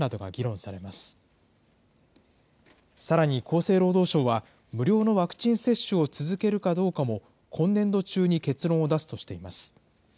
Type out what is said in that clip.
さらに厚生労働省は、無料のワクチン接種を続けるかどうかも、今年度中に結論を出すとしています。